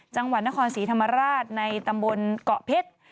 จังหวัดนครศรีธรรมราชในตำบลเกาะเพชร